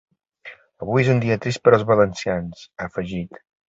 Avui és un dia trist per als valencians, ha afegit.